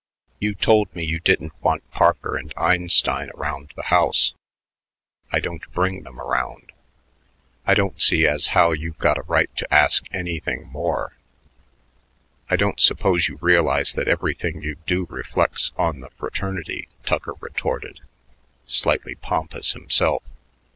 You told me you didn't want Parker and Einstein around the house. I don't bring them around. I don't see as how you've got a right to ask anything more." "I don't suppose you realize that everything you do reflects on the fraternity," Tucker retorted, slightly pompous himself.